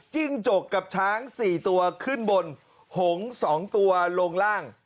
จิ้งจกกับช้าง๔ตัวขึ้นบนหงษ์๒ตัวลงล่าง